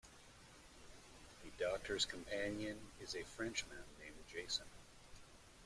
The Doctor's companion is a Frenchman named Jason.